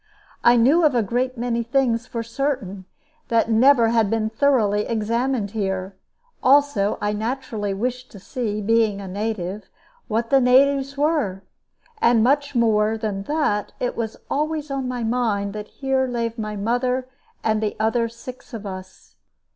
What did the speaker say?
I knew of a great many things, for certain, that never had been thoroughly examined here; also I naturally wished to see, being a native, what the natives were; and, much more than that, it was always on my mind that here lay my mother and the other six of us.